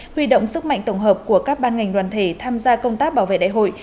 huy động sức mạnh tổng hợp của các ban ngành đoàn thể tham gia công tác bảo vệ đại hội